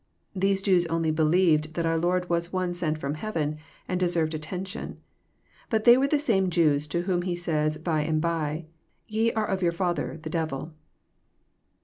These Jews only " believed * that our Lord was One sent from heaven, and deserved atten tion. But they were the same Jews to whom He says by and by, "Ye are of your father the devil."